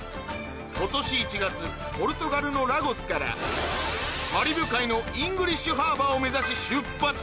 今年１月ポルトガルのラゴスからカリブ海のイングリッシュハーバーを目指し出発